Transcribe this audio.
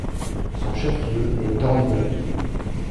Son chef-lieu est Thornbury.